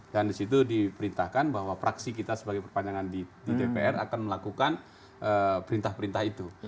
dan disitu diperintahkan bahwa praksi kita sebagai perpanjangan di dpr akan melakukan perintah perintah itu